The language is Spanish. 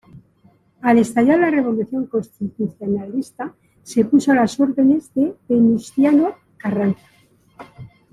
Al estallar la revolución constitucionalista se puso a las órdenes de Venustiano Carranza.